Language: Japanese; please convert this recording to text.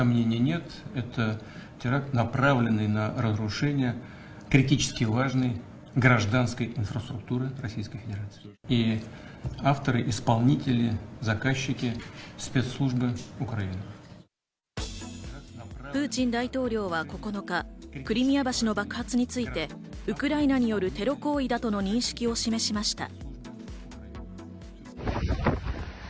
プーチン大統領は９日、クリミア橋の爆発についてウクライナによるテロ行為だとの認識を示しました。